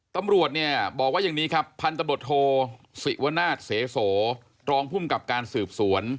ตำรวจเนี่ยบอกว่าอย่างนี้ครับพันธบทโทศิวนาศเสโสรองภูมิกับการสืบสวน